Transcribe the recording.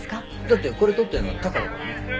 だってこれ撮ってんのタカだからね。